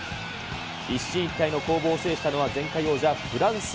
一進一退の攻防を制したのは前回王者、フランス。